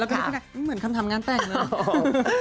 แล้วพี่ก้าวนึกได้อื้มเหมือนคำถามงานแปลงเลย